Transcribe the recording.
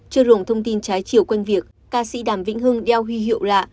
trước ruộng thông tin trái chiều quanh việc ca sĩ đàm vĩnh hưng đeo huy hiệu lạ